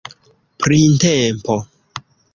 printempo